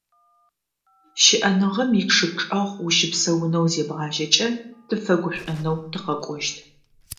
Щыӏэныгъэм ичъыг чӏэгъ ущыпсэунэу зебгъажьэкӏэ тыпфэгушӏонэу тыкъэкӏощт.